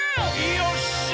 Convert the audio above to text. よっしゃ！